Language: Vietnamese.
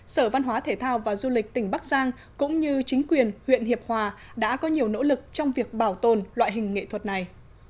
sở văn hóa thể thao và du lịch tỉnh bắc giang cũng như chính quyền huyện hiệp hòa đã có nhiều nỗ lực trong việc bảo tồn loại hình nghệ thuật này